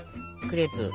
クレープを。